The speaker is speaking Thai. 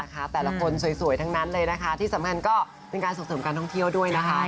แต่ละคนสวยทั้งนั้นเลยนะคะที่สำคัญก็เป็นการส่งเสริมการท่องเที่ยวด้วยนะคะ